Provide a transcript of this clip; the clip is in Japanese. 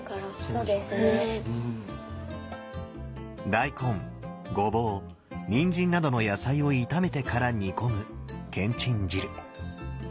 大根ごぼうにんじんなどの野菜を炒めてから煮込むけんちん汁。